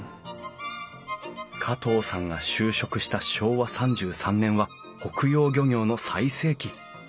加藤さんが就職した昭和３３年は北洋漁業の最盛期。